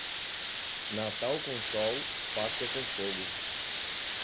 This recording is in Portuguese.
Natal com sol, Páscoa com fogo.